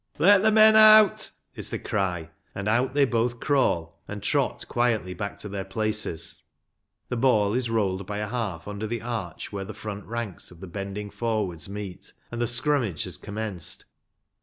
" Let the men out," is the cry, and out they both crawl, and trot quietly back to their places. The ball is rolled by a half under the arch where the front ranks of the bending forwards meet, and the scrummage has commenced.